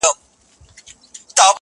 ماویل زه به د سپېدو پر اوږو-